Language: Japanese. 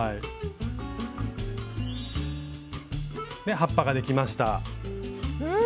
葉っぱができました。